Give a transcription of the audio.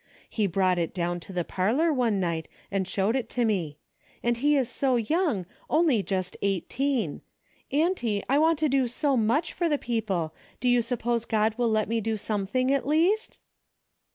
He brought it down to the parlor one night and showed it to me. And he is so young, only just eighteen. Auntie, I want to do so much for the people, do you suppose God will let me do something at least